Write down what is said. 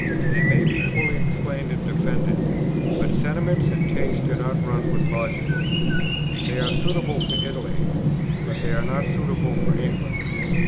They may be fully explained and defended; but sentiment and taste do not run with logic: they are suitable for Italy, but they are not suitable for England.